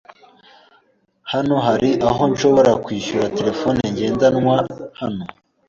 Hano hari aho nshobora kwishyuza terefone ngendanwa hano?